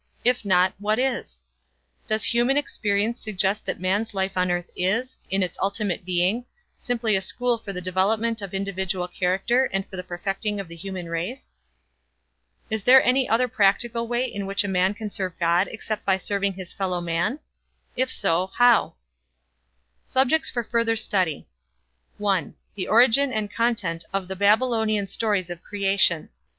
If not, what is? Does human experience suggest that man's life on earth is, in its ultimate meaning, simply a school for the development of individual character and for the perfecting of the human race? Is there any other practical way in which a man can serve God except by serving his fellowmen? If so, how? Subjects for Further Study. (1) The Origin and Content of the Babylonian Stories of Creation.